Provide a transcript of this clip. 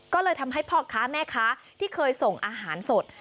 ก็เลยทำให้พ่อค้าแม่ค้าที่เคยส่งอาหารสด